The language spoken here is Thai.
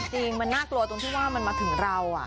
จริงมันน่ากลัวตรงที่ว่ามันมาถึงเรา